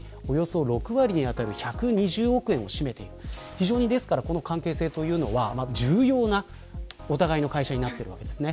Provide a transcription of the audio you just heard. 非常に、この関係性は重要な、お互いの会社になっているわけですね。